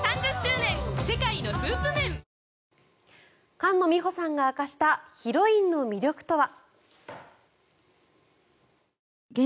菅野美穂さんが明かしたヒロインの魅力とは？